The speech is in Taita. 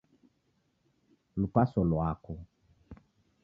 Lukaso lwako